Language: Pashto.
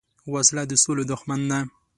وسله د سولې دښمن ده